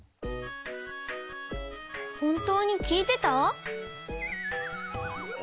ほんとうにきいてた？